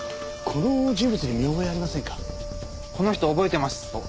この人覚えてます！